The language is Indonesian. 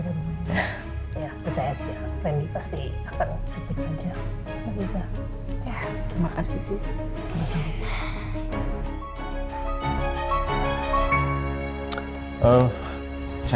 tante tenang ya